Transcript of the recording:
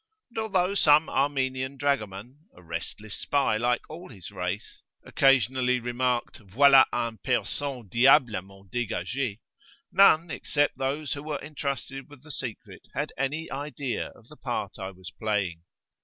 And although some Armenian Dragoman, a restless spy like all his race, occasionally remarked voila un Persan diablement degage, none, except those who were entrusted with the secret, had any idea of the part I was playing.